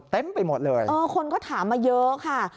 ไปหมดเลยคนก็ถามมาเยอะค่ะ